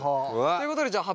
ということでじゃあ